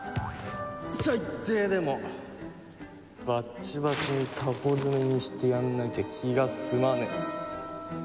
最低でもバッチバチにタコ詰めにしてやんなきゃ気が済まねえ。